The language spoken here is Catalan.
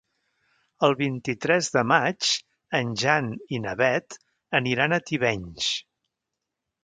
El vint-i-tres de maig en Jan i na Beth aniran a Tivenys.